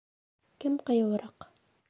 Кем ҡыйыуыраҡ?